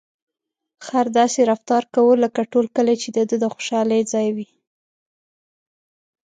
خر داسې رفتار کاوه لکه ټول کلي چې د ده د خوشحالۍ ځای وي.